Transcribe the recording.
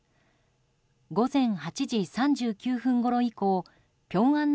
午前８時３９分ごろ以降ピョンアン